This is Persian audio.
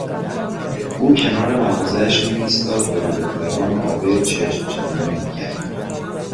او کنار مغازهاش میایستاد و به دختران عابر چشمچرانی میکرد.